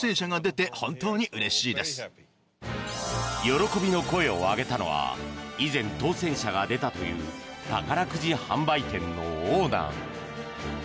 喜びの声を上げたのは以前、当選者が出たという宝くじ販売店のオーナー。